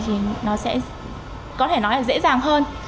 thì nó sẽ có thể nói là dễ dàng hơn